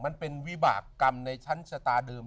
มันเป็นวิบากรรมในชั้นชะตาเดิม